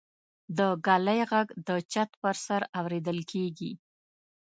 د ږلۍ غږ د چت پر سر اورېدل کېږي.